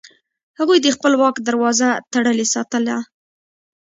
هغوی د خپل واک دروازه تړلې ساتله.